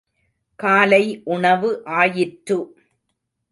காலை உணவு ஆயிற்று.